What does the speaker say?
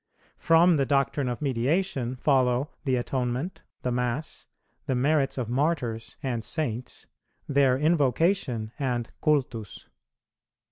From the doctrine of Mediation follow the Atonement, the Mass, the merits of Martyrs and Saints, their invocation and cultus.